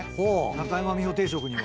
中山美穂定食には。